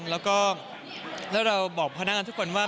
แล้วก็เราบอกพนักงานทุกคนว่า